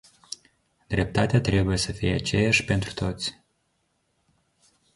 Dreptatea trebuie să fie aceeași pentru toți.